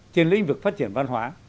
trên lĩnh vực phát triển văn hóa